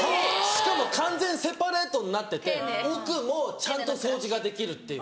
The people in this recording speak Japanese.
しかも完全セパレートになってて奥もちゃんと掃除ができるっていう。